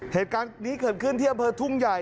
เหตุการณ์นี้เกิดขึ้นที่อำเภอทุ่งใหญ่